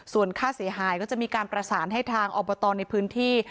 ส่วนค่าเสียหายก็จะมีการประสานให้ทางอบตในพื้นที่